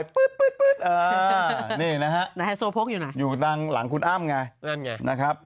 นี่หน่ะอยู่หลังคุณอ้ามไงนะครับ